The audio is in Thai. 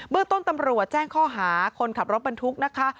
เมืองต้นตำรวจแจ้งข้อหาคนขับรถบรรทุกนะคะ